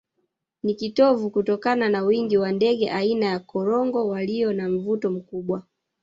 Ni kivutio kutokana na wingi wa ndege aina ya korongo walio na mvuto mkubwa